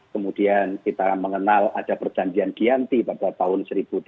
kemudian kita mengenal ada perjanjian giyanti pada tahun seribu tujuh ratus lima puluh lima